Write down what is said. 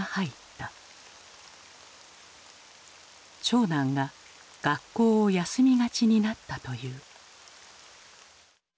長男が学校を休みがちになったという。